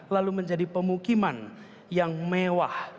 lalu menjadi pemukiman yang mewah